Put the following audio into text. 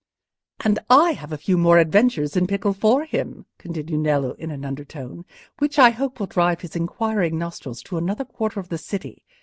"And I have a few more adventures in pickle for him," continued Nello, in an undertone, "which I hope will drive his inquiring nostrils to another quarter of the city.